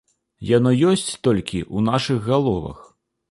Яно ёсць толькі ў нашых галовах.